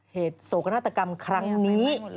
เหตุโศกธนาธรรมครั้งนี้